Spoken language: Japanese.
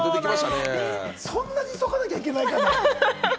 そんなに急がなきゃいけないかな。